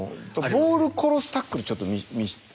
ボール殺すタックルちょっと見せて。